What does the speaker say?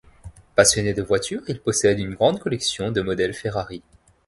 Passionné de voitures, il possède une grande collection de modèles Ferrari.